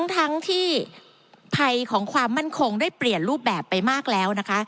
ทั้งที่ภัยของความมั่นคงได้เปลี่ยนรูปแบบไปมากแล้วนะคะ